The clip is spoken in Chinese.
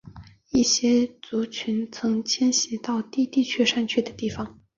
一些族群曾迁徙到低地及山区的地方。